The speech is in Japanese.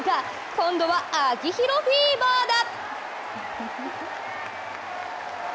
今度は秋広フィーバーだ。